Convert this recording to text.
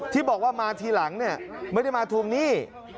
ที่บอกว่ามาทีหลังไม่ได้มาทุ่มนี้